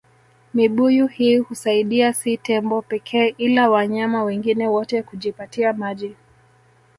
Mibuyu hii husaidia si tembo pekee ila wanyama wengine wote kujipatia maji